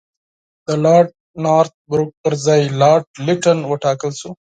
د لارډ نارت بروک پر ځای لارډ لیټن وټاکل شو.